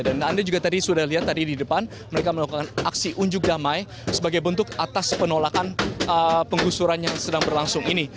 dan anda juga tadi sudah lihat tadi di depan mereka melakukan aksi unjuk damai sebagai bentuk atas penolakan penggusuran yang sedang berlangsung ini